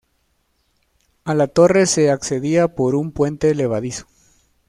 A la torre se accedía por un puente levadizo.